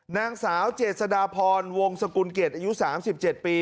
นางสาวเจษฎาพรวงสกุลเกียรติอายุ๓๗ปี